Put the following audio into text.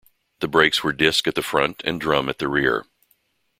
The brakes were disc at the front and drum at the rear.